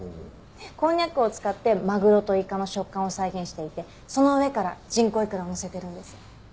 こんにゃくを使ってマグロとイカの食感を再現していてその上から人工いくらをのせているんです。